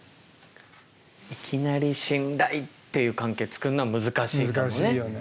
いきなり信頼っていう関係をつくるのは難しいかもね。